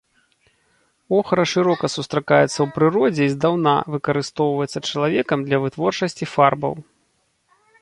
Охра шырока сустракаецца ў прыродзе і здаўна выкарыстоўваецца чалавекам для вытворчасці фарбаў.